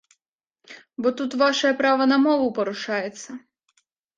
Бо тут вашае права на мову парушаецца.